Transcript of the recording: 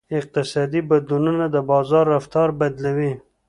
اقتصادي بدلونونه د بازار رفتار بدلوي.